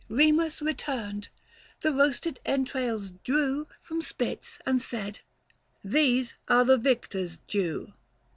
Remus returned, — the roasted entrails drew From spits, and said, " These are the Victor's due